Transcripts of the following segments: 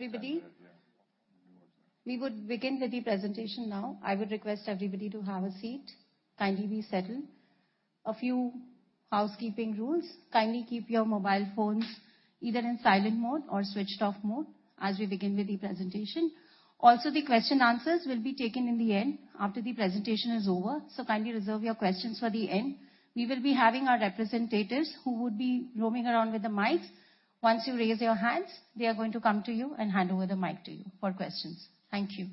Everybody, we would begin with the presentation now. I would request everybody to have a seat. Kindly be settled. A few housekeeping rules. Kindly keep your mobile phones either in silent mode or switched off mode as we begin with the presentation. Also, the question answers will be taken in the end after the presentation is over, so kindly reserve your questions for the end. We will be having our representatives who would be roaming around with the mics. Once you raise your hands, they are going to come to you and hand over the mic to you for questions. Thank you.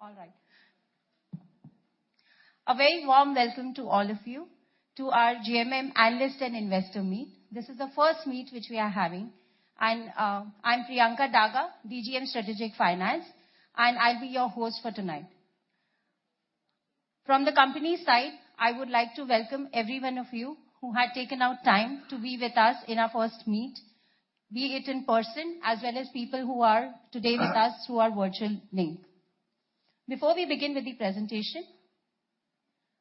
All right. A very warm welcome to all of you to our GMM Analyst and Investor Meet. This is the first meet which we are having. I'm Priyanka Daga, DGM, Strategic Finance, and I'll be your host for tonight. From the company's side, I would like to welcome everyone who had taken out time to be with us in our first meet, be it in person as well as people who are today with us through our virtual link. Before we begin with the presentation,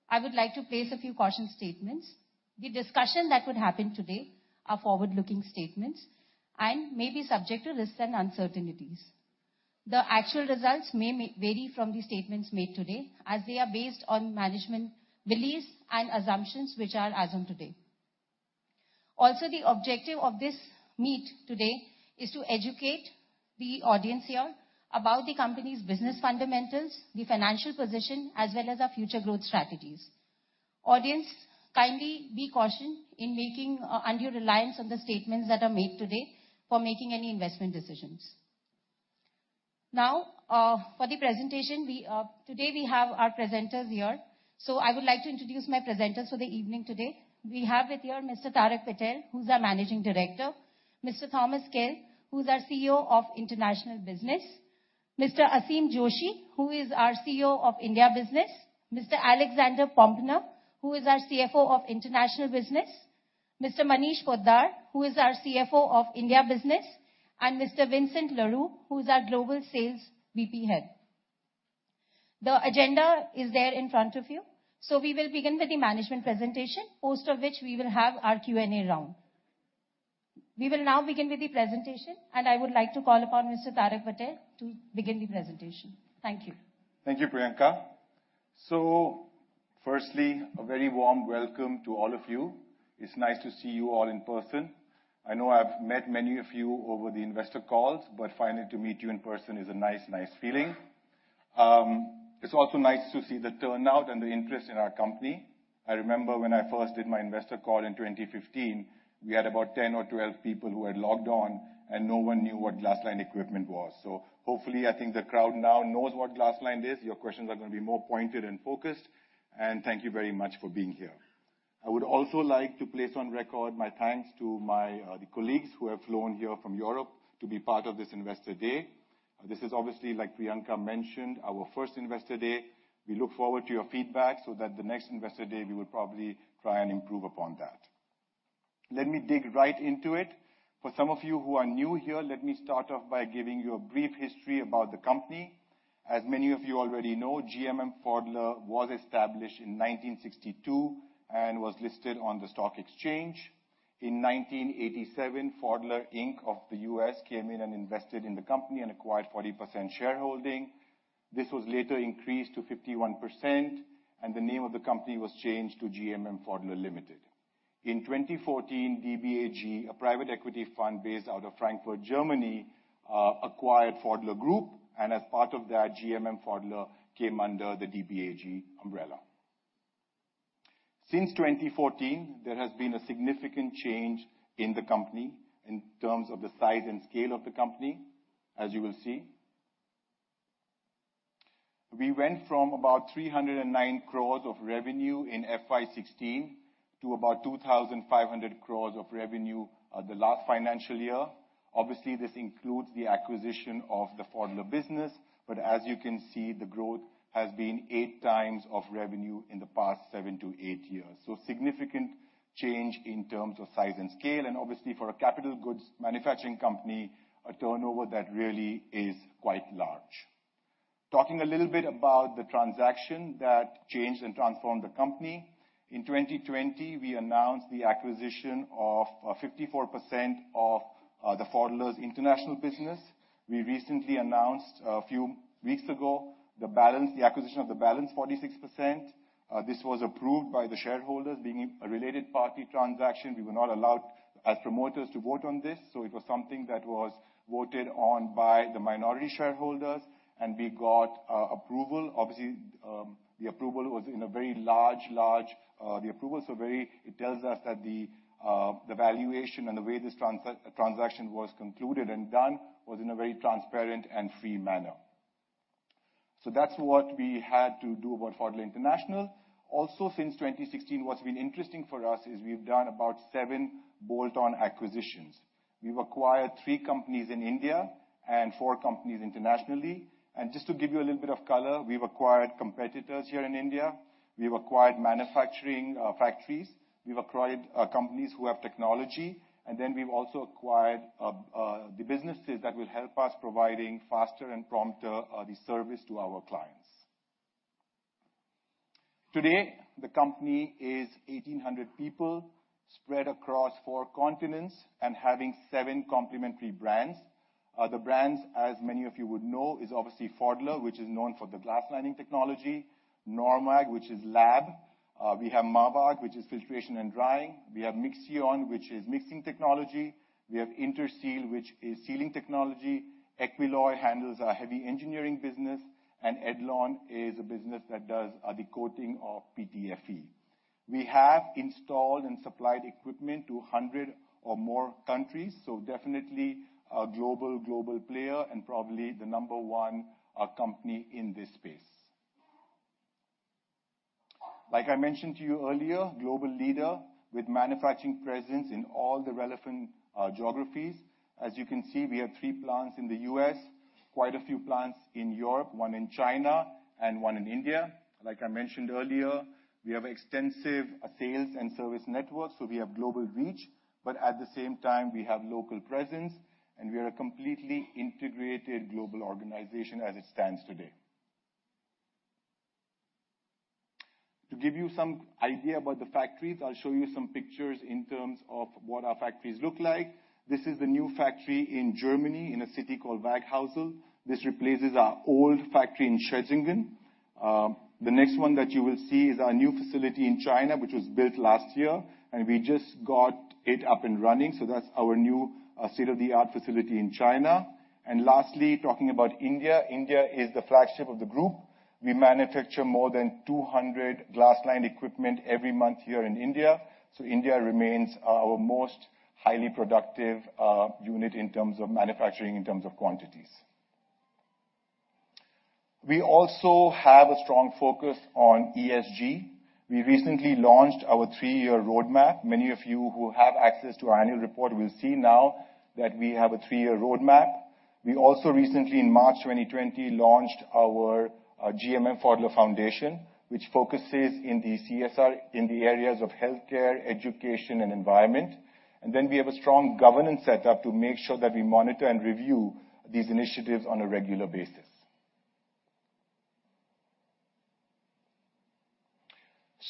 I would like to place a few caution statements. The discussion that would happen today are forward-looking statements and may be subject to risks and uncertainties. The actual results may vary from the statements made today as they are based on management beliefs and assumptions which are as on today. Also, the objective of this meet today is to educate the audience here about the company's business fundamentals, the financial position, as well as our future growth strategies. Audience, kindly be cautioned in making undue reliance on the statements that are made today for making any investment decisions. Now, for the presentation, we, today we have our presenters here, so I would like to introduce my presenters for the evening today. We have with us here Mr. Tarak Patel, who's our Managing Director. Mr. Thomas Kehl, who's our CEO of International Business. Mr. Aseem Joshi, who is our CEO of India Business. Mr. Alexander Poempner, who is our CFO of International Business. Mr. Manish Poddar, who is our CFO of India Business, and Mr. Vincent Leroux, who's our Global VP Sales. The agenda is there in front of you. We will begin with the management presentation, after which we will have our Q&A round. We will now begin with the presentation, and I would like to call upon Mr. Tarak Patel to begin the presentation. Thank you. Thank you, Priyanka. Firstly, a very warm welcome to all of you. It's nice to see you all in person. I know I've met many of you over the investor calls, but finally to meet you in person is a nice feeling. It's also nice to see the turnout and the interest in our company. I remember when I first did my investor call in 2015, we had about 10 or 12 people who had logged on, and no one knew what glass-lined equipment was. Hopefully, I think the crowd now knows what glass-lined is. Your questions are gonna be more pointed and focused, and thank you very much for being here. I would also like to place on record my thanks to my, the colleagues who have flown here from Europe to be part of this Investor Day. This is obviously, like Priyanka mentioned, our first Investor Day. We look forward to your feedback so that the next Investor Day we will probably try and improve upon that. Let me dig right into it. For some of you who are new here, let me start off by giving you a brief history about the company. As many of you already know, GMM Pfaudler was established in 1962 and was listed on the stock exchange. In 1987, Pfaudler Inc. of the U.S. came in and invested in the company and acquired 40% shareholding. This was later increased to 51%, and the name of the company was changed to GMM Pfaudler Limited. In 2014, DBAG, a private equity fund based out of Frankfurt, Germany, acquired Pfaudler Group, and as part of that, GMM Pfaudler came under the DBAG umbrella. Since 2014, there has been a significant change in the company in terms of the size and scale of the company, as you will see. We went from about 309 crores of revenue in FY 2016 to about 2,500 crores of revenue, the last financial year. Obviously, this includes the acquisition of the Pfaudler business, but as you can see, the growth has been 8x of revenue in the past seven to eight years. Significant change in terms of size and scale, and obviously for a capital goods manufacturing company, a turnover that really is quite large. Talking a little bit about the transaction that changed and transformed the company. In 2020, we announced the acquisition of 54% of the Pfaudler International. We recently announced a few weeks ago, the balance. The acquisition of the balance 46%. This was approved by the shareholders. Being a related party transaction, we were not allowed as promoters to vote on this, so it was something that was voted on by the minority shareholders, and we got approval. Obviously, the approval was in a very large majority. It tells us that the valuation and the way this transaction was concluded and done was in a very transparent and fair manner. That's what we had to do about Pfaudler International. Also, since 2016, what's been interesting for us is we've done about seven bolt-on acquisitions. We've acquired three companies in India and four companies internationally. Just to give you a little bit of color, we've acquired competitors here in India. We've acquired manufacturing factories. We've acquired companies who have technology, and then we've also acquired the businesses that will help us providing faster and prompter the service to our clients. Today, the company is 1,800 people spread across four continents and having seven complementary brands. The brands, as many of you would know, is obviously Pfaudler, which is known for the glass lining technology. NORMAG, which is lab. We have MAVAG, which is filtration and drying. We have Mixion, which is mixing technology. We have Interseal, which is sealing technology. Equilloy handles our heavy engineering business, and Edlon is a business that does the coating of PTFE. We have installed and supplied equipment to 100 or more countries, so definitely a global player and probably the number one company in this space. Like I mentioned to you earlier, global leader with manufacturing presence in all the relevant geographies. As you can see, we have three plants in the U.S., quite a few plants in Europe, one in China and one in India. Like I mentioned earlier, we have extensive sales and service network, so we have global reach, but at the same time we have local presence, and we are a completely integrated global organization as it stands today. To give you some idea about the factories, I'll show you some pictures in terms of what our factories look like. This is the new factory in Germany, in a city called Waghäusel. This replaces our old factory in Schwetzingen. The next one that you will see is our new facility in China, which was built last year, and we just got it up and running. That's our new state-of-the-art facility in China. Lastly, talking about India is the flagship of the group. We manufacture more than 200 glass-lined equipment every month here in India. India remains our most highly productive unit in terms of manufacturing, in terms of quantities. We also have a strong focus on ESG. We recently launched our three-year roadmap. Many of you who have access to our annual report will see now that we have a three-year roadmap. We also recently, in March 2020, launched our GMM Pfaudler Foundation, which focuses on the CSR in the areas of healthcare, education, and environment. We have a strong governance set up to make sure that we monitor and review these initiatives on a regular basis.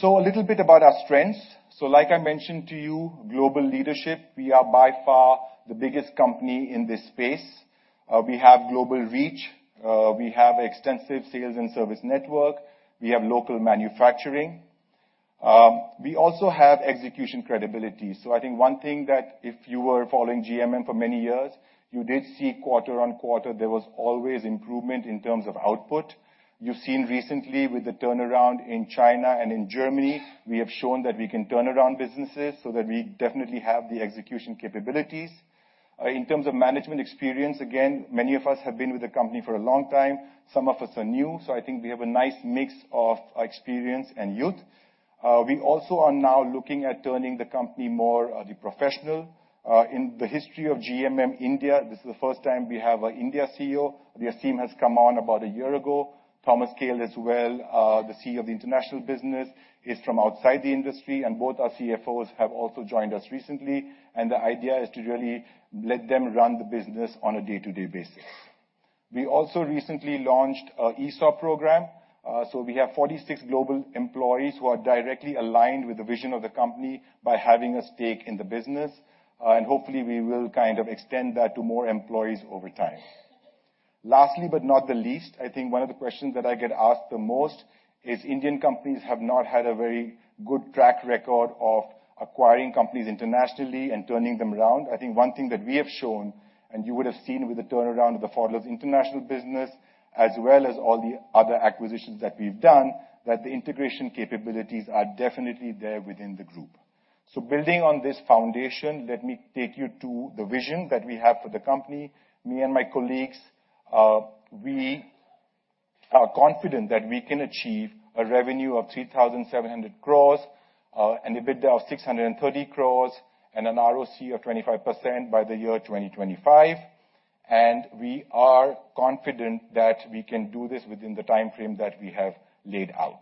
A little bit about our strengths. Like I mentioned to you, global leadership. We are by far the biggest company in this space. We have global reach. We have extensive sales and service network. We have local manufacturing. We also have execution credibility. I think one thing that if you were following GMM for many years, you did see quarter-on-quarter, there was always improvement in terms of output. You've seen recently with the turnaround in China and in Germany, we have shown that we can turn around businesses so that we definitely have the execution capabilities. In terms of management experience, again, many of us have been with the company for a long time. Some of us are new, so I think we have a nice mix of experience and youth. We also are now looking at turning the company more professional. In the history of GMM India, this is the first time we have an India CEO. Aseem has come on about a year ago. Thomas Kehl as well, the CEO of the international business, is from outside the industry, and both our CFOs have also joined us recently. The idea is to really let them run the business on a day-to-day basis. We also recently launched an ESOP program, so we have 46 global employees who are directly aligned with the vision of the company by having a stake in the business. Hopefully we will kind of extend that to more employees over time. Lastly, but not the least, I think one of the questions that I get asked the most is Indian companies have not had a very good track record of acquiring companies internationally and turning them around. I think one thing that we have shown, and you would have seen with the turnaround of the Pfaudler's international business, as well as all the other acquisitions that we've done, that the integration capabilities are definitely there within the group. Building on this foundation, let me take you to the vision that we have for the company. Me and my colleagues, we are confident that we can achieve a revenue of 3,700 crores, and EBITDA of 630 crores and an ROCE of 25% by the year 2025. We are confident that we can do this within the timeframe that we have laid out.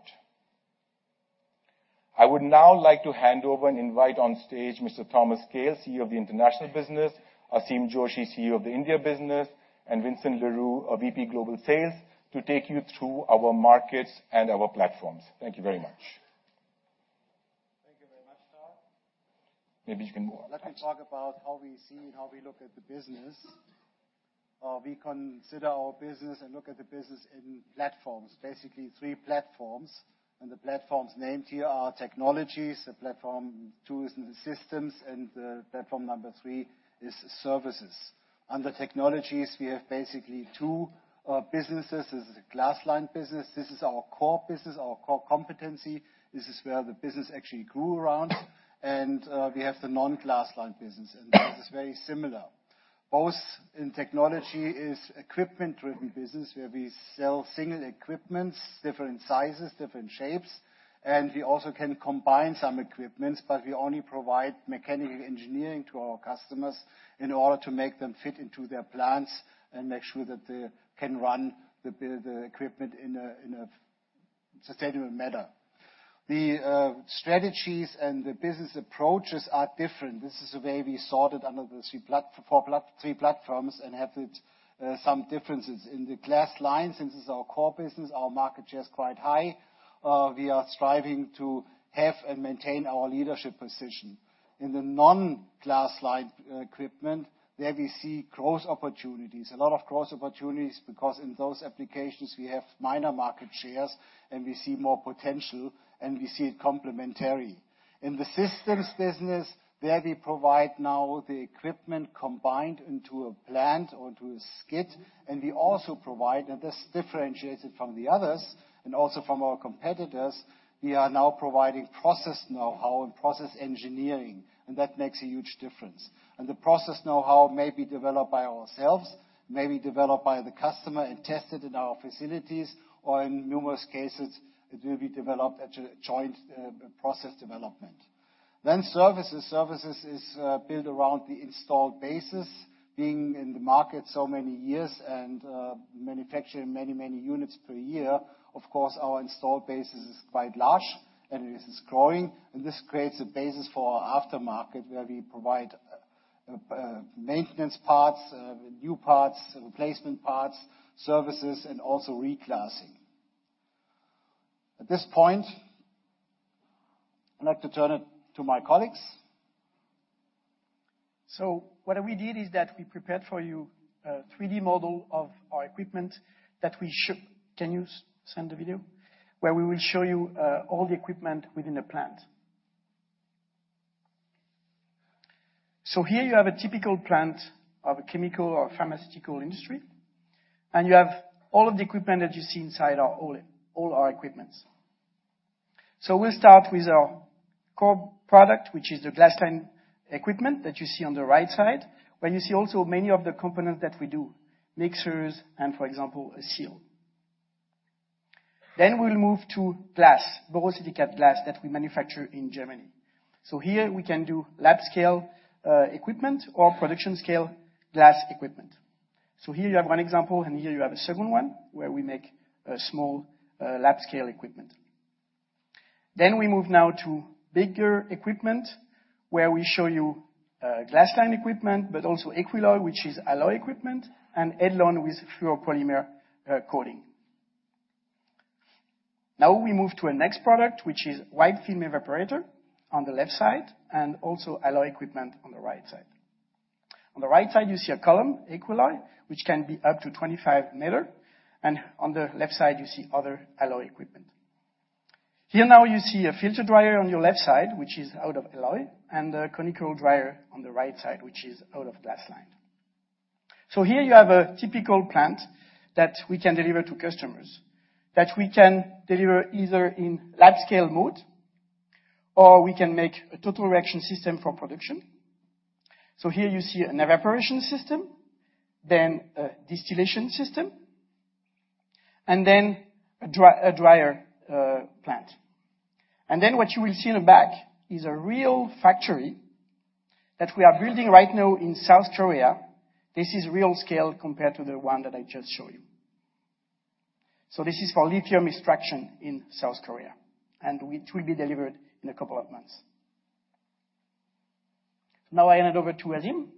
I would now like to hand over and invite on stage Mr. Thomas Kehl, CEO of the International Business, Aseem Joshi, CEO of the India Business, and Vincent Leroux, our VP Global Sales, to take you through our markets and our platforms. Thank you very much. Thank you very much, Carl. Maybe you can go. Let me talk about how we see and how we look at the business. We consider our business and look at the business in platforms. Basically three platforms, and the platforms named here are technologies. The platform two is systems, and platform number three is services. Under technologies, we have basically two businesses. This is a glass-lined business. This is our core business, our core competency. This is where the business actually grew around. We have the non-glass-lined business, and this is very similar. Both in technology is equipment-driven business where we sell single equipments, different sizes, different shapes, and we also can combine some equipments, but we only provide mechanical engineering to our customers in order to make them fit into their plants and make sure that they can run the equipment in a sustainable manner. Strategies and the business approaches are different. This is the way we sort it under the three platforms and have some differences. In the glass-lined, since this is our core business, our market share is quite high. We are striving to have and maintain our leadership position. In the non-glass-lined equipment, there we see growth opportunities. A lot of growth opportunities, because in those applications, we have minor market shares, and we see more potential, and we see it complementary. In the systems business, there we provide now the equipment combined into a plant or into a skid, and we also provide, and this differentiates it from the others and also from our competitors, we are now providing process know-how and process engineering, and that makes a huge difference. The process know-how may be developed by ourselves, may be developed by the customer and tested in our facilities, or in numerous cases, it will be developed at a joint process development. Services. Services is built around the installed bases. Being in the market so many years and manufacturing many units per year, of course, our installed base is quite large and it is growing. This creates a basis for our aftermarket, where we provide maintenance parts, new parts, replacement parts, services and also re-glassing. At this point, I'd like to turn it to my colleagues. What we did is that we prepared for you a 3D model of our equipment. Can you send the video? Where we will show you all the equipment within the plant. Here you have a typical plant of a chemical or pharmaceutical industry, and you have all of the equipment that you see inside, all our equipment. We'll start with our core product, which is the glass-lined equipment that you see on the right side, where you see also many of the components that we do, mixers and, for example, a seal. We'll move to glass, borosilicate glass that we manufacture in Germany. Here we can do lab scale equipment or production scale glass equipment. Here you have one example, and here you have a second one where we make a small lab scale equipment. We move now to bigger equipment, where we show you glass-lined equipment, but also Equilloy, which is alloy equipment, and Edlon with fluoropolymer coating. Now we move to a next product, which is wiped film evaporator on the left side and also alloy equipment on the right side. On the right side, you see a column, Equilloy, which can be up to 25 meters. On the left side you see other alloy equipment. Here now you see a filter dryer on your left side, which is out of alloy, and a conical dryer on the right side, which is out of glass-lined. Here you have a typical plant that we can deliver to customers, either in lab scale mode or we can make a total reaction system for production. Here you see an evaporation system, then a distillation system, and then a dryer plant. What you will see in the back is a real factory that we are building right now in South Korea. This is real scale compared to the one that I just showed you. This is for lithium extraction in South Korea, and it will be delivered in a couple of months. Now I hand over to Aseem Joshi. All right. Thank you, Vince. You know, I hope you got a sense from that video of the range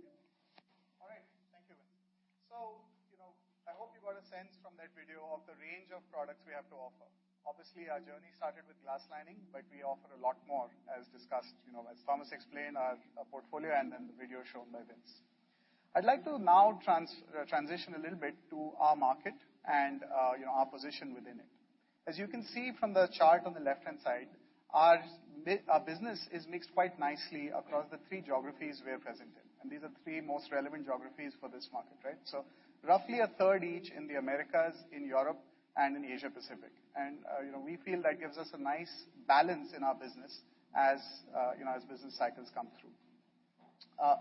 of products we have to offer. Obviously, our journey started with glass lining, but we offer a lot more, as discussed, you know, as Thomas explained our portfolio and then the video shown by Vince. I'd like to now transition a little bit to our market and, you know, our position within it. As you can see from the chart on the left-hand side, our business is mixed quite nicely across the three geographies we are present in, and these are the three most relevant geographies for this market, right? Roughly a third each in the Americas, in Europe and in Asia Pacific. You know, we feel that gives us a nice balance in our business as, you know, as business cycles come through.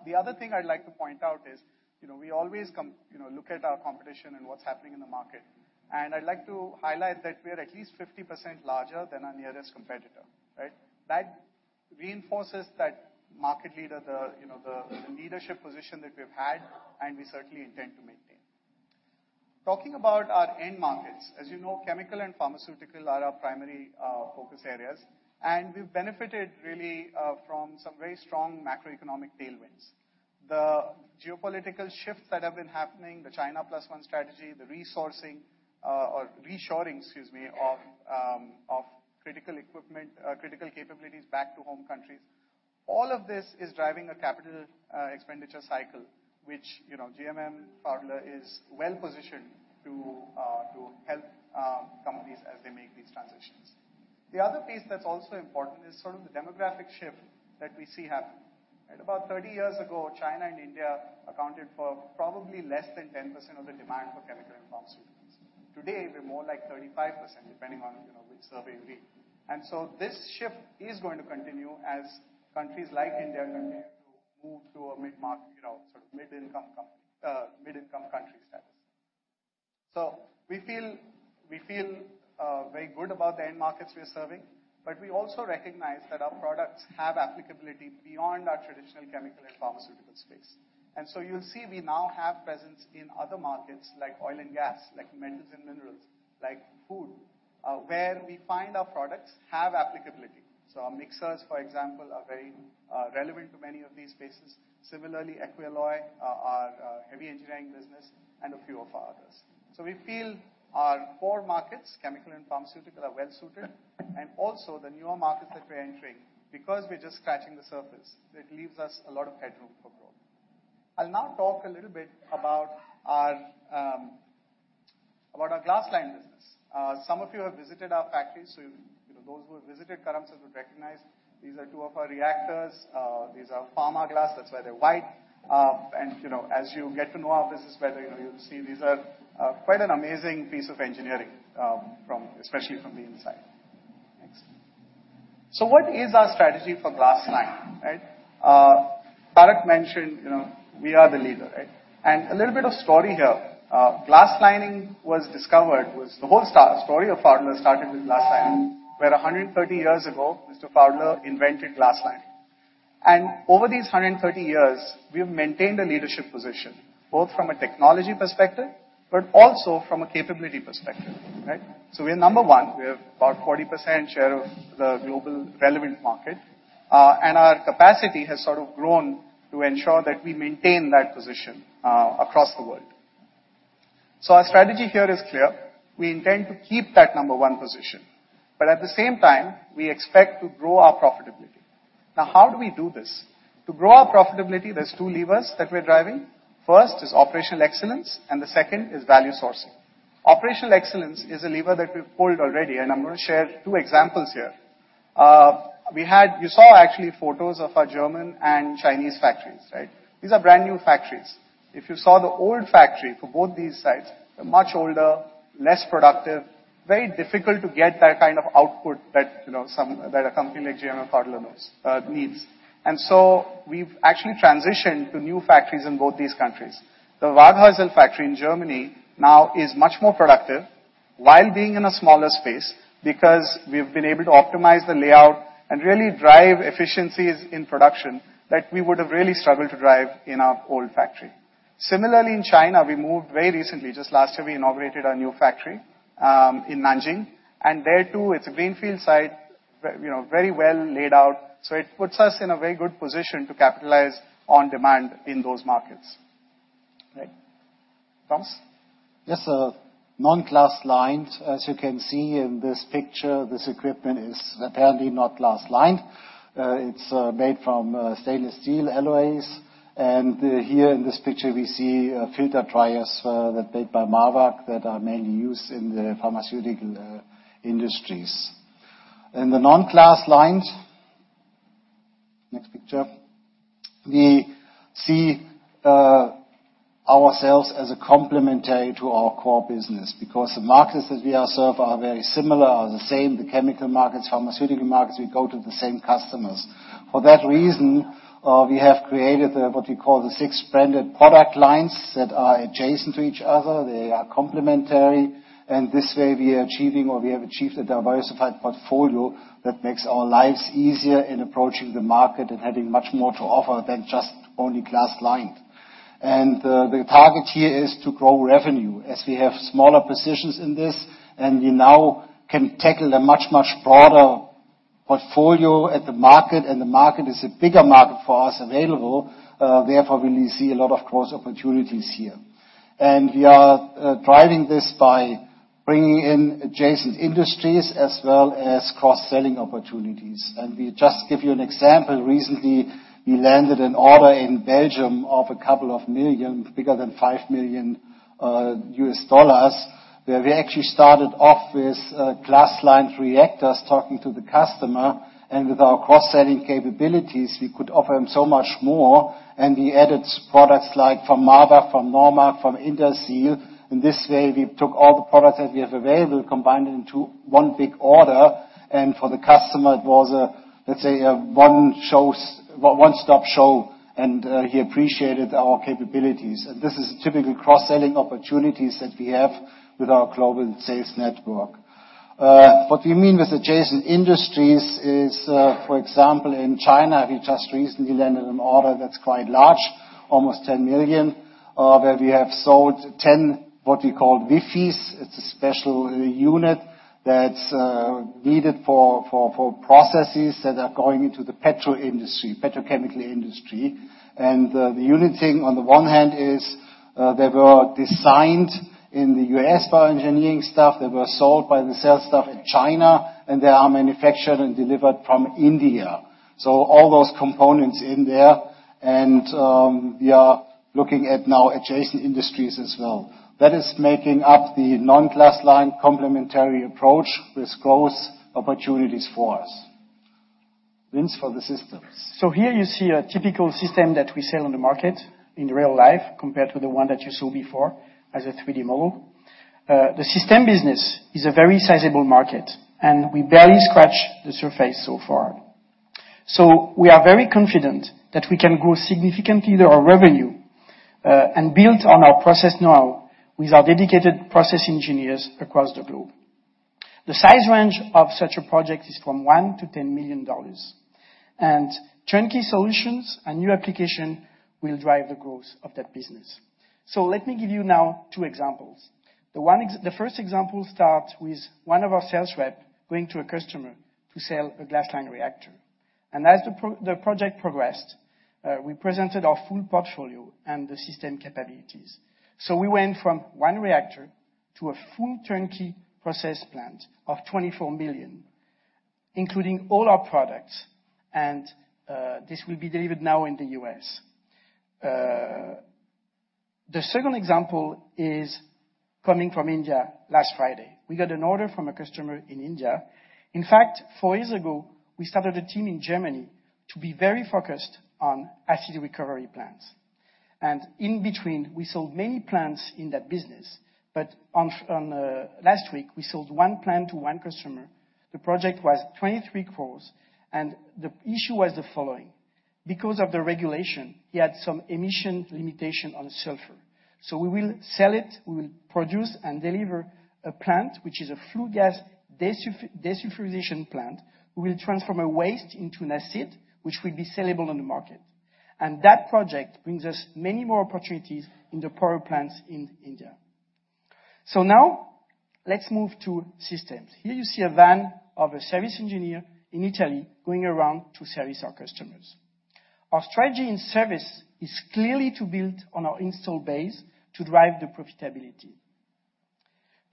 The other thing I'd like to point out is, you know, we always look at our competition and what's happening in the market. I'd like to highlight that we are at least 50% larger than our nearest competitor, right? That reinforces that market leader, you know, the leadership position that we've had and we certainly intend to maintain. Talking about our end markets. As you know, chemical and pharmaceutical are our primary focus areas, and we've benefited really from some very strong macroeconomic tailwinds. The geopolitical shifts that have been happening, the China Plus One strategy, the resourcing or reshoring of critical equipment, critical capabilities back to home countries. All of this is driving a capital expenditure cycle, which, you know, GMM Pfaudler is well positioned to help companies as they make these transitions. The other piece that's also important is sort of the demographic shift that we see happening, right? About 30 years ago, China and India accounted for probably less than 10% of the demand for chemical and pharmaceuticals. Today, they're more like 35%, depending on, you know, which survey you read. This shift is going to continue as countries like India continue to move to a mid-market, you know, sort of mid-income company, mid-income country status. We feel very good about the end markets we are serving, but we also recognize that our products have applicability beyond our traditional chemical and pharmaceutical space. You'll see we now have presence in other markets like oil and gas, like metals and minerals, like food, where we find our products have applicability. Our mixers, for example, are very relevant to many of these spaces. Similarly, Equilloy, our heavy engineering business and a few of our others. We feel our core markets, chemical and pharmaceutical, are well suited, and also the newer markets that we're entering, because we're just scratching the surface, it leaves us a lot of headroom for growth. I'll now talk a little bit about our glass-lined business. Some of you have visited our factories. You know, those who have visited Karamsad would recognize these are two of our reactors. These are pharma glass, that's why they're white. you know, as you get to know our business better, you know, you'll see these are quite an amazing piece of engineering, especially from the inside. Next. What is our strategy for glass-lining, right? Tarak mentioned, you know, we are the leader, right? A little bit of story here. glass-lining was discovered. The whole story of Pfaudler started with glass-lining, where 130 years ago, Mr. Pfaudler invented glass-lining. Over these 130 years, we've maintained a leadership position, both from a technology perspective, but also from a capability perspective, right? We're number one. We have about 40% share of the global relevant market. Our capacity has sort of grown to ensure that we maintain that position across the world. Our strategy here is clear. We intend to keep that number one position, but at the same time, we expect to grow our profitability. Now, how do we do this? To grow our profitability, there's two levers that we're driving. First is operational excellence, and the second is value sourcing. Operational excellence is a lever that we've pulled already, and I'm gonna share two examples here. You saw actually photos of our German and Chinese factories, right? These are brand-new factories. If you saw the old factory for both these sites, they're much older, less productive, very difficult to get that kind of output that, you know, that a company like GMM or Pfaudler knows needs. We've actually transitioned to new factories in both these countries. The Waghäusel factory in Germany now is much more productive while being in a smaller space because we've been able to optimize the layout and really drive efficiencies in production that we would have really struggled to drive in our old factory. Similarly, in China, we moved very recently. Just last year, we inaugurated our new factory in Nanjing, and there, too, it's a greenfield site very, you know, very well laid out. So it puts us in a very good position to capitalize on demand in those markets. Right. Thomas? Yes. Non-glasslined, as you can see in this picture, this equipment is apparently not glass-lined. It's made from stainless steel alloys. Here in this picture, we see filter dryers that are made by MAVAG that are mainly used in the pharmaceutical industries. Next picture. We see ourselves as a complementary to our core business because the markets that we serve are very similar or the same. The chemical markets, pharmaceutical markets, we go to the same customers. For that reason, we have created the, what we call, the six branded product lines that are adjacent to each other. They are complementary. This way, we are achieving or we have achieved a diversified portfolio that makes our lives easier in approaching the market and having much more to offer than just only glass-lined. The target here is to grow revenue as we have smaller positions in this, and we now can tackle a much, much broader portfolio at the market, and the market is a bigger market for us available. Therefore, we see a lot of growth opportunities here. We are driving this by bringing in adjacent industries as well as cross-selling opportunities. We just give you an example. Recently, we landed an order in Belgium of a couple of million, bigger than $5 million, where we actually started off with glass-lined reactors talking to the customer. With our cross-selling capabilities, we could offer him so much more. We added products like from MAVAG, from NORMAG, from Interseal. In this way, we took all the products that we have available, combined it into one big order. For the customer, it was a one-stop show, and he appreciated our capabilities. This is typical cross-selling opportunities that we have with our global sales network. What we mean with adjacent industries is, for example, in China, we just recently landed an order that's quite large, almost $10 million, where we have sold 10, what we call WFEs. It's a special unit that's needed for processes that are going into the petrochemical industry. The unique thing on the one hand is they were designed in the U.S. by our engineering staff. They were sold by the sales staff in China, and they are manufactured and delivered from India. So all those components in there. We are looking at now adjacent industries as well. That is making up the non-glass-lined complementary approach with growth opportunities for us. Vince, for the systems. Here you see a typical system that we sell on the market in real life compared to the one that you saw before as a 3-D model. The system business is a very sizable market, and we barely scratch the surface so far. We are very confident that we can grow significantly our revenue and build on our process know-how with our dedicated process engineers across the globe. The size range of such a project is from $1 million to $10 million. Turnkey solutions and new application will drive the growth of that business. Let me give you now two examples. The first example starts with one of our sales rep going to a customer to sell a glass-lined reactor. As the project progressed, we presented our full portfolio and the system capabilities. We went from one reactor to a full turnkey process plant of 24 million. Including all our products, and this will be delivered now in the US. The second example is coming from India last Friday. We got an order from a customer in India. In fact, four years ago, we started a team in Germany to be very focused on acid recovery plants. In between, we sold many plants in that business. On last week, we sold one plant to one customer. The project was 23 crores, and the issue was the following because of the regulation, he had some emission limitation on sulfur. We will sell it, we will produce and deliver a plant, which is a flue gas desulfurization plant. We will transform a waste into an acid, which will be sellable on the market. That project brings us many more opportunities in the power plants in India. Now let's move to systems. Here you see a van of a service engineer in Italy going around to service our customers. Our strategy in service is clearly to build on our installed base to drive the profitability.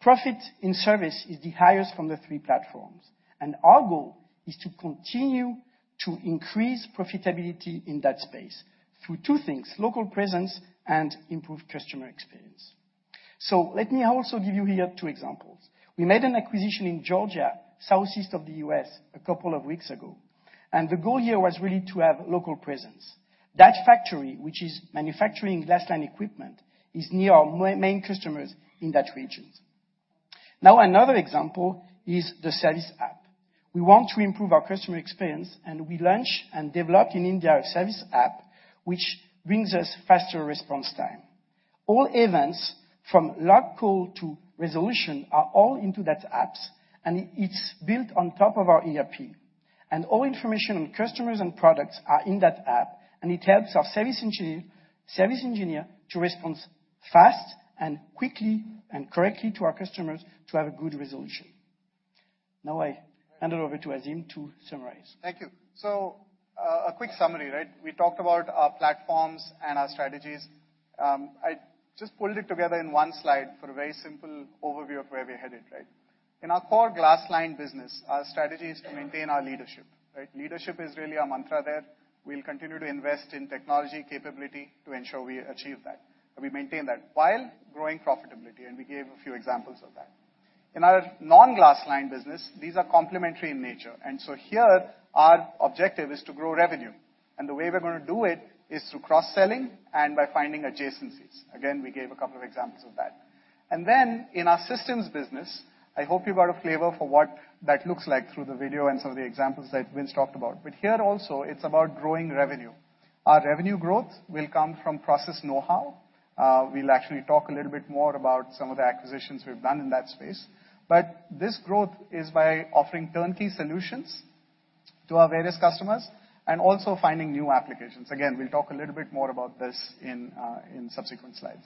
Profit in service is the highest of the three platforms, and our goal is to continue to increase profitability in that space through two things, local presence and improved customer experience. Let me also give you here two examples. We made an acquisition in Georgia, southeast of the U.S., a couple of weeks ago. The goal here was really to have local presence. That factory, which is manufacturing glass-lined equipment, is near our main customers in that region. Now, another example is the service app. We want to improve our customer experience, and we launch and develop in India a service app which brings us faster response time. All events from log call to resolution are all in that app, and it's built on top of our ERP. All information on customers and products are in that app, and it helps our service engineer to respond fast and quickly and correctly to our customers to have a good resolution. Now I hand over to Aseem to summarize. Thank you. A quick summary, right? We talked about our platforms and our strategies. I just pulled it together in one slide for a very simple overview of where we're headed, right? In our core glass-lined business, our strategy is to maintain our leadership, right? Leadership is really our mantra there. We'll continue to invest in technology capability to ensure we achieve that, we maintain that, while growing profitability, and we gave a few examples of that. In our non-glass-lined business, these are complementary in nature. Here our objective is to grow revenue. The way we're gonna do it is through cross-selling and by finding adjacencies. Again, we gave a couple of examples of that. Then in our systems business, I hope you got a flavor for what that looks like through the video and some of the examples that Vince talked about. Here also, it's about growing revenue. Our revenue growth will come from process know-how. We'll actually talk a little bit more about some of the acquisitions we've done in that space. This growth is by offering turnkey solutions to our various customers and also finding new applications. Again, we'll talk a little bit more about this in in subsequent slides.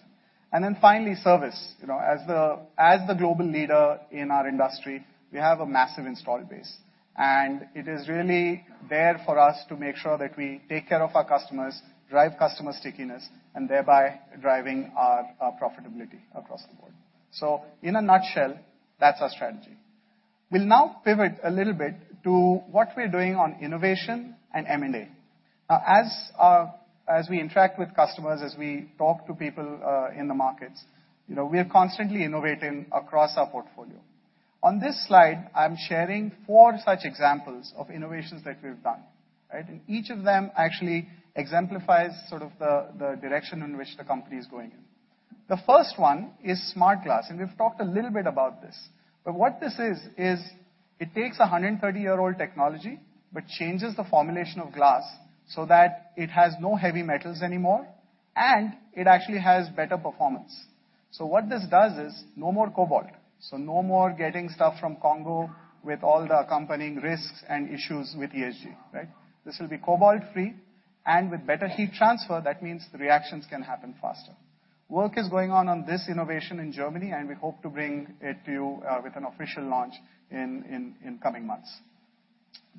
Finally, service. You know, as the global leader in our industry, we have a massive installed base. It is really there for us to make sure that we take care of our customers, drive customer stickiness, and thereby driving our profitability across the board. In a nutshell, that's our strategy. We'll now pivot a little bit to what we're doing on innovation and M&A. Now as we interact with customers, as we talk to people in the markets, you know, we are constantly innovating across our portfolio. On this slide, I'm sharing four such examples of innovations that we've done, right? Each of them actually exemplifies sort of the direction in which the company is going in. The first one is Smart Glass, and we've talked a little bit about this. What this is it takes a 130-year-old technology, but changes the formulation of glass so that it has no heavy metals anymore, and it actually has better performance. What this does is no more cobalt, so no more getting stuff from Congo with all the accompanying risks and issues with ESG, right? This will be cobalt-free and with better heat transfer. That means the reactions can happen faster. Work is going on this innovation in Germany, and we hope to bring it to you with an official launch in coming months.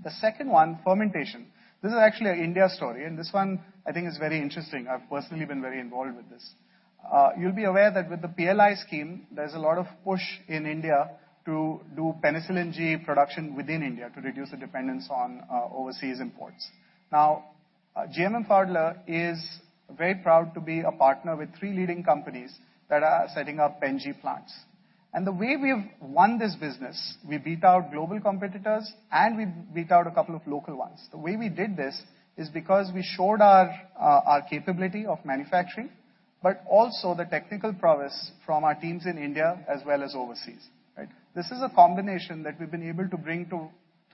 The second one, fermentation. This is actually an India story, and this one I think is very interesting. I've personally been very involved with this. You'll be aware that with the PLI scheme, there's a lot of push in India to do penicillin G production within India to reduce the dependence on overseas imports. Now, GMM Pfaudler is very proud to be a partner with three leading companies that are setting up pen G plants. The way we have won this business, we beat out global competitors, and we beat out a couple of local ones. The way we did this is because we showed our capability of manufacturing, but also the technical prowess from our teams in India as well as overseas, right? This is a combination that we've been able to bring to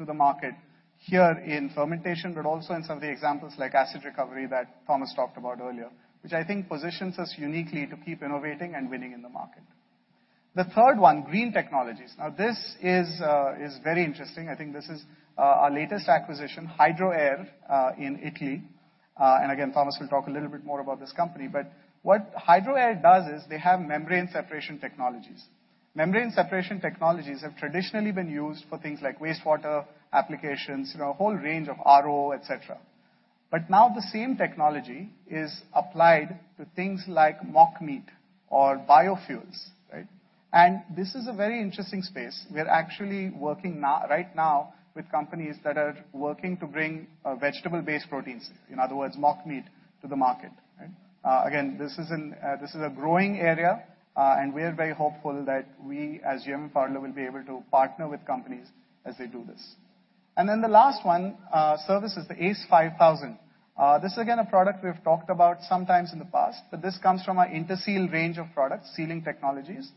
the market here in fermentation, but also in some of the examples like acid recovery that Thomas talked about earlier, which I think positions us uniquely to keep innovating and winning in the market. The third one, green technologies. Now this is very interesting. I think this is our latest acquisition, Hydroair, in Italy. Again, Thomas will talk a little bit more about this company. What Hydroair does is they have membrane separation technologies. Membrane separation technologies have traditionally been used for things like wastewater applications, you know, a whole range of RO, et cetera. Now the same technology is applied to things like mock meat or biofuels, right? This is a very interesting space. We're actually working right now with companies that are working to bring vegetable-based proteins, in other words, mock meat, to the market, right? Again, this is a growing area, and we are very hopeful that we, as GMM Pfaudler, will be able to partner with companies as they do this. Then the last one, service is the ACE 5000. This is again, a product we've talked about sometimes in the past, but this comes from our Interseal range of products, sealing technologies.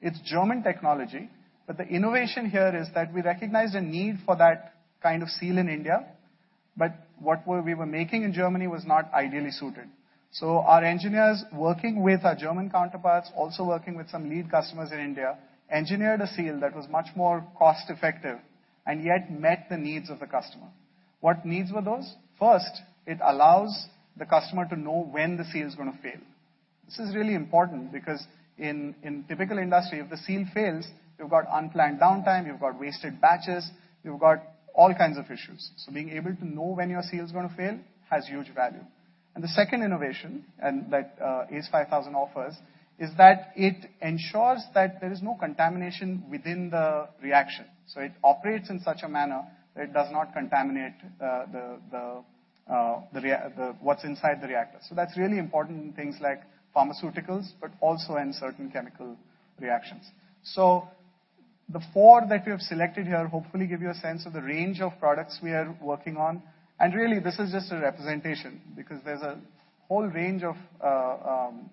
It's German technology, but the innovation here is that we recognize a need for that kind of seal in India. What we were making in Germany was not ideally suited. Our engineers, working with our German counterparts, also working with some lead customers in India, engineered a seal that was much more cost-effective and yet met the needs of the customer. What needs were those? First, it allows the customer to know when the seal is gonna fail. This is really important because in typical industry, if the seal fails, you've got unplanned downtime, you've got wasted batches, you've got all kinds of issues. Being able to know when your seal is gonna fail has huge value. The second innovation, and that, ACE 5000 offers, is that it ensures that there is no contamination within the reaction. It operates in such a manner that it does not contaminate what's inside the reactor. That's really important in things like pharmaceuticals, but also in certain chemical reactions. The four that we have selected here hopefully give you a sense of the range of products we are working on. Really, this is just a representation because there's a whole range of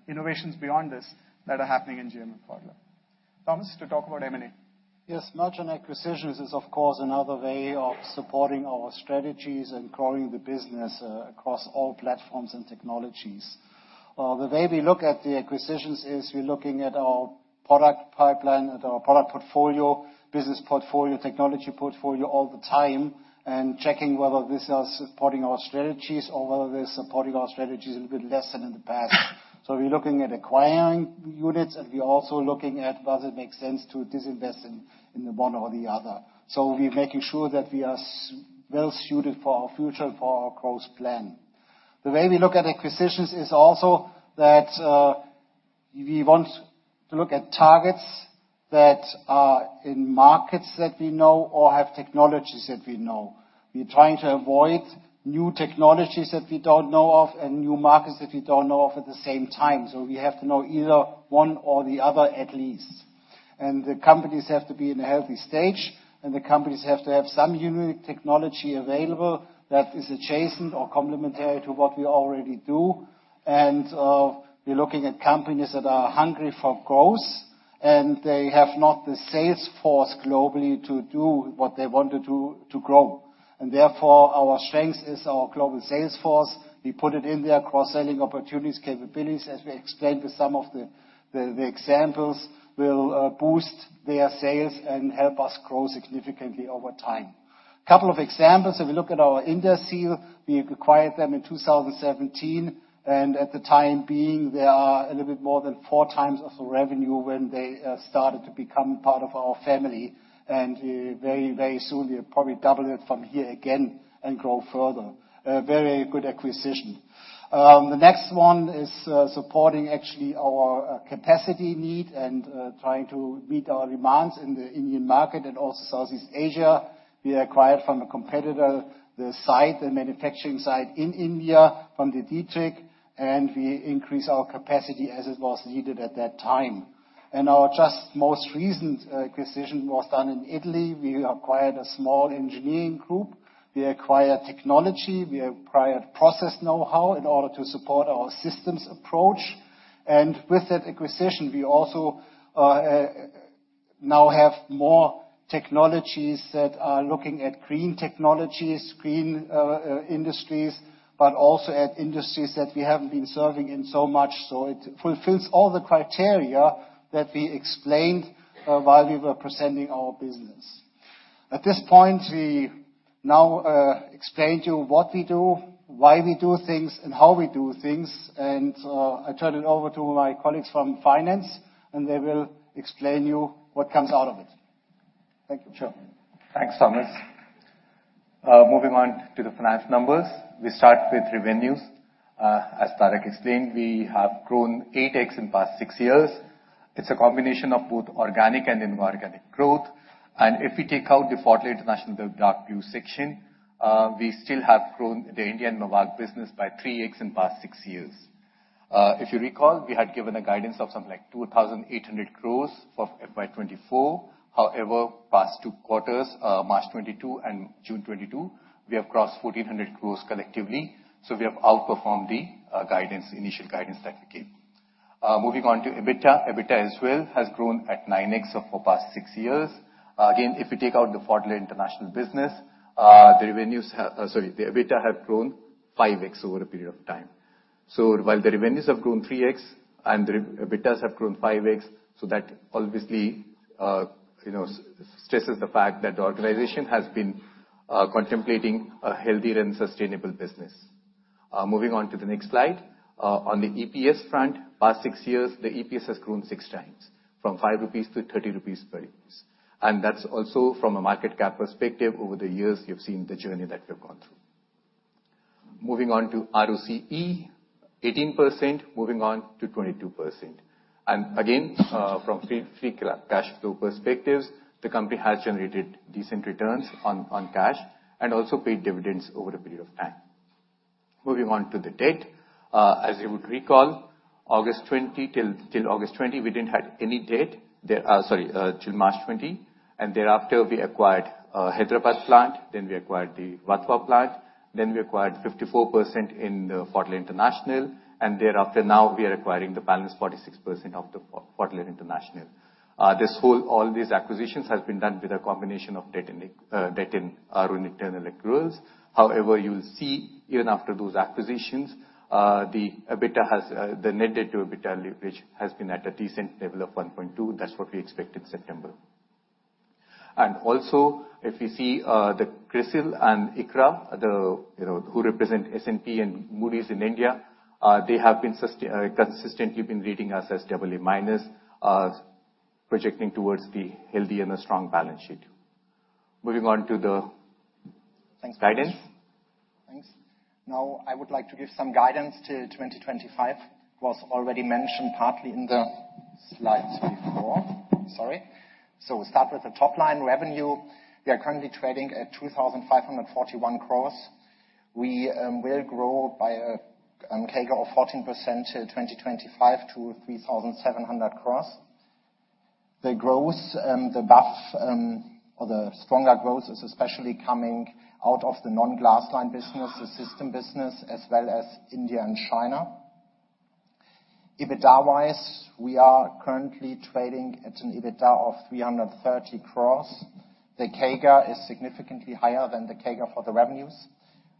innovations beyond this that are happening in GMM Pfaudler. Thomas, to talk about M&A. Yes. Mergers and acquisitions is, of course, another way of supporting our strategies and growing the business across all platforms and technologies. The way we look at the acquisitions is we're looking at our product pipeline, at our product portfolio, business portfolio, technology portfolio all the time, and checking whether this is supporting our strategies or whether they're supporting our strategies a little bit less than in the past. We're looking at acquiring units, and we're also looking at does it make sense to disinvest in the one or the other. We're making sure that we are well suited for our future, for our growth plan. The way we look at acquisitions is also that we want to look at targets that are in markets that we know or have technologies that we know. We're trying to avoid new technologies that we don't know of and new markets that we don't know of at the same time. We have to know either one or the other at least. The companies have to be in a healthy stage, and the companies have to have some unique technology available that is adjacent or complementary to what we already do. We're looking at companies that are hungry for growth, and they have not the sales force globally to do what they want to do to grow. Therefore, our strength is our global sales force. We put it in their cross-selling opportunities, capabilities, as we explained with some of the examples, will boost their sales and help us grow significantly over time. Couple of examples. If we look at our Interseal, we acquired them in 2017, and at the time being, they are a little bit more than 4 times of the revenue when they started to become part of our family. Very, very soon we'll probably double it from here again and grow further. A very good acquisition. The next one is supporting actually our capacity need and trying to meet our demands in the Indian market and also Southeast Asia. We acquired from a competitor the site, the manufacturing site in India from De Dietrich, and we increased our capacity as it was needed at that time. Our just most recent acquisition was done in Italy. We acquired a small engineering group. We acquired technology, we acquired process know-how in order to support our systems approach. With that acquisition, we also now have more technologies that are looking at green technologies, green industries, but also at industries that we haven't been serving in so much. It fulfills all the criteria that we explained while we were presenting our business. At this point, we now explained to you what we do, why we do things, and how we do things. I turn it over to my colleagues from finance, and they will explain you what comes out of it. Thank you. Sure. Thanks, Thomas. Moving on to the financial numbers. We start with revenues. As Tarak explained, we have grown 8x in past six years. It's a combination of both organic and inorganic growth. If we take out the Pfaudler International Dark View section, we still have grown the India Normag business by 3x in past six years. If you recall, we had given a guidance of something like 2,800 crores for FY 2024. However, past two quarters, March 2022 and June 2022, we have crossed 1,400 crores collectively, so we have outperformed the guidance, initial guidance that we gave. Moving on to EBITDA. EBITDA as well has grown at 9x for past six years. Again, if we take out the Pfaudler International business. The EBITDA have grown 5x over a period of time. While the revenues have grown 3x and the EBITDAs have grown 5x, that obviously, you know, stresses the fact that the organization has been contemplating a healthier and sustainable business. Moving on to the next slide. On the EPS front, past six years, the EPS has grown 6x, from 5 rupees to 30 rupees per EPS. That's also from a market cap perspective over the years, you've seen the journey that we have gone through. Moving on to ROCE, 18% moving on to 22%. From free cash flow perspectives, the company has generated decent returns on cash and also paid dividends over a period of time. Moving on to the debt. As you would recall, till March 2020, and thereafter we acquired a Hyderabad plant, then we acquired the Vadodara plant, then we acquired 54% in the Pfaudler International, and thereafter, now we are acquiring the balance 46% of the Pfaudler International. All these acquisitions has been done with a combination of debt and our own internal accruals. However, you'll see even after those acquisitions, the net debt to EBITDA leverage has been at a decent level of 1.2x. That's what we expect in September. Also if you see, the CRISIL and ICRA, you know, who represent S&P and Moody's in India, they have been consistently rating us as AA-, projecting towards the healthy and a strong balance sheet. Moving on to the guidance. Thanks. Now I would like to give some guidance to 2025. It was already mentioned partly in the slides before. Sorry. Start with the top line revenue. We are currently trading at 2,541 crores. We will grow by a CAGR of 14% to 2025 to 3,700 crores. The growth buffer or the stronger growth is especially coming out of the non-glass-lined business, the system business as well as India and China. EBITDA-wise, we are currently trading at an EBITDA of 330 crores. The CAGR is significantly higher than the CAGR for the revenues.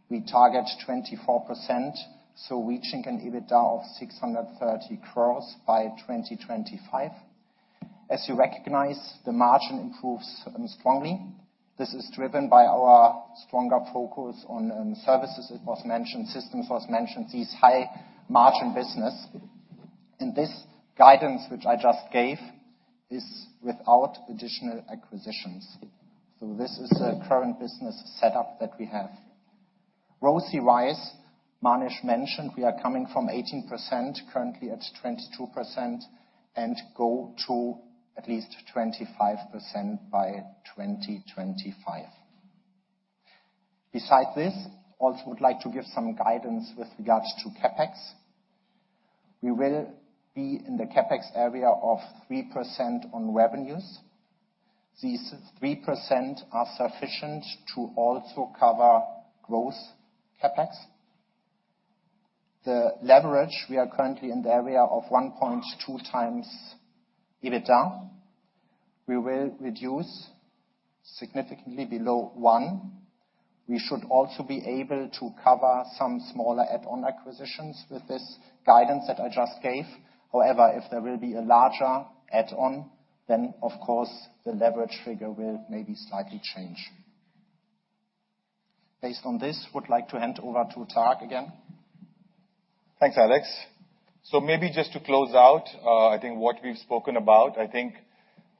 We target 24%, so reaching an EBITDA of 630 crores by 2025. As you recognize, the margin improves strongly. This is driven by our stronger focus on services. It was mentioned. Systems was mentioned, these high-margin business. This guidance, which I just gave, is without additional acquisitions. This is a current business setup that we have. ROCE-wise, Manish mentioned we are coming from 18%, currently at 22%, and go to at least 25% by 2025. Besides this, also would like to give some guidance with regards to CapEx. We will be in the CapEx area of 3% on revenues. These 3% are sufficient to also cover growth CapEx. The leverage, we are currently in the area of 1.2x EBITDA. We will reduce significantly below one. We should also be able to cover some smaller add-on acquisitions with this guidance that I just gave. However, if there will be a larger add-on, then of course the leverage figure will maybe slightly change. Based on this, would like to hand over to Tarak again. Thanks, Alex. Maybe just to close out, I think what we've spoken about, I think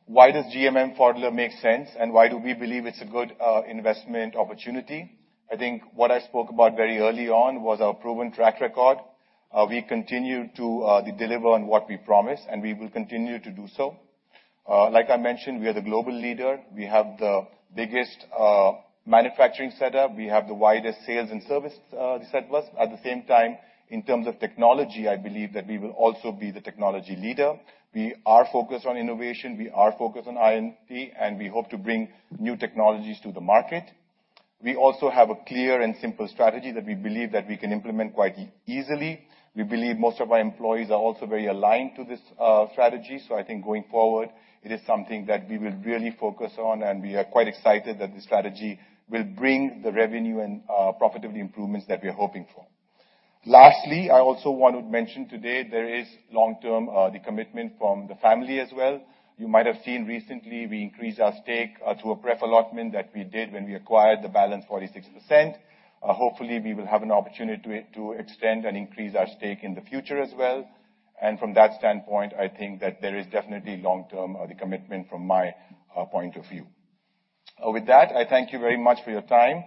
why does GMM Pfaudler make sense and why do we believe it's a good investment opportunity? I think what I spoke about very early on was our proven track record. We continue to deliver on what we promise, and we will continue to do so. Like I mentioned, we are the global leader. We have the biggest manufacturing setup. We have the widest sales and service setup. At the same time, in terms of technology, I believe that we will also be the technology leader. We are focused on innovation. We are focused on R&D, and we hope to bring new technologies to the market. We also have a clear and simple strategy that we believe that we can implement quite easily. We believe most of our employees are also very aligned to this, strategy. I think going forward, it is something that we will really focus on, and we are quite excited that the strategy will bring the revenue and, profitability improvements that we're hoping for. Lastly, I also want to mention today there is long-term, the commitment from the family as well. You might have seen recently we increased our stake, to a pref allotment that we did when we acquired the balance 46%. Hopefully we will have an opportunity to extend and increase our stake in the future as well. From that standpoint, I think that there is definitely long-term, the commitment from my, point of view. With that, I thank you very much for your time.